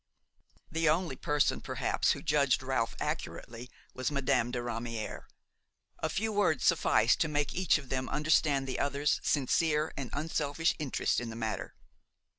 The only person, perhaps, who judged Ralph accurately was Madame de Ramière; a few words sufficed to make each of them understand the other's sincere and unselfish interest in the matter.